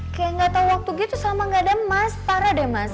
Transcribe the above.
kayak gak tau waktu gitu sama gak ada mas parah deh mas